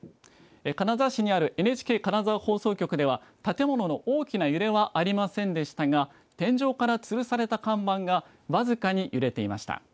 金沢市にあるＮＨＫ金沢放送局では建物の大きな揺れはありませんでしたが天井からつるされた看板が僅かに揺れていました。